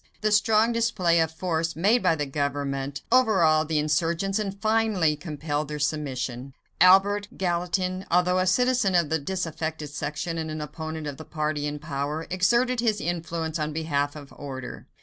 The strong display of force made by the government overawed the insurgents and finally compelled their submission. Albert Gallatin, although a citizen of the disaffected section and an opponent of the party in power, exerted his influence on behalf of order.